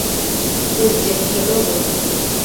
Urĝe biologon!